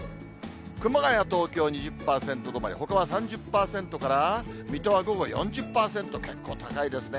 熊谷、東京２０％止まり、ほかは３０％から水戸は午後４０％、結構高いですね。